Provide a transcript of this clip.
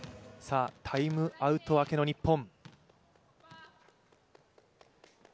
タイムアウト明けの日本。